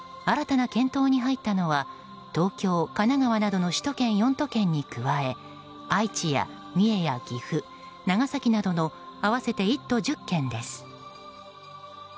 新たな検討に入ったのは東京、神奈川などの首都圏４都県に加え愛知や三重や岐阜、長崎などの合わせて１都１０県です。